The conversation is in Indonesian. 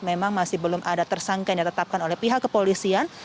memang masih belum ada tersangka yang ditetapkan oleh pihak kepolisian